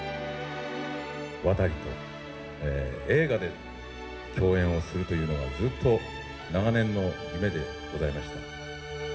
渡と映画で共演をするというのが、ずっと長年の夢でございました。